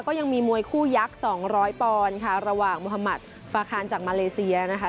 ก็ยังมีมวยคู่ยักษ์๒๐๐ปอนด์ค่ะระหว่างมุธมัติฟาคานจากมาเลเซียนะคะ